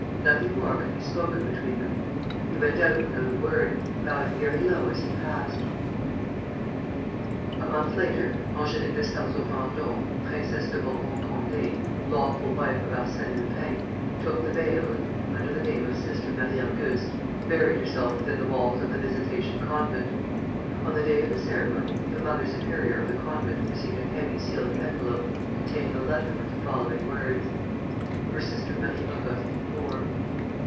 Nothing more could be spoken between them. He went out without a word, bowing very low as he passed. A month later, Angélique de Sarzeau Vendôme, Princesse de Bourbon Condé, lawful wife of Arsène Lupin, took the veil and, under the name of Sister Marie Auguste, buried herself within the walls of the Visitation Convent. On the day of the ceremony, the mother superior of the convent received a heavy sealed envelope containing a letter with the following words: "For Sister Marie Auguste's poor."